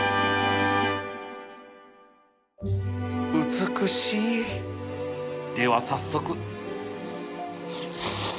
美しいでは早速